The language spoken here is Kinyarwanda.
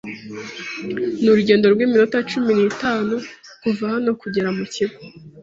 Ni urugendo rw'iminota cumi n'itanu kuva hano kugera mu kigo